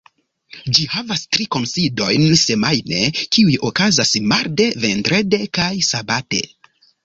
Ĝi havas tri kunsidojn semajne, kiuj okazas marde, vendrede kaj sabate.